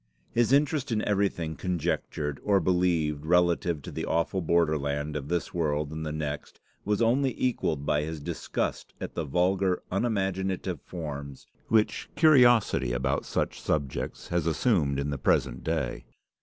His interest in everything conjectured or believed relative to the awful borderland of this world and the next, was only equalled by his disgust at the vulgar, unimaginative forms which curiosity about such subjects has assumed in the present day.